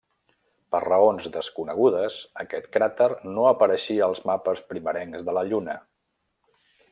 Per raons desconegudes, aquest cràter no apareixia als mapes primerencs de la Lluna.